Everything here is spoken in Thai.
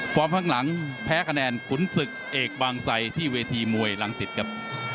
ข้างหลังแพ้คะแนนขุนศึกเอกบางไซที่เวทีมวยรังสิตครับ